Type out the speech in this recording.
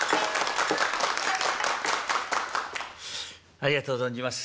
ありがとう存じます。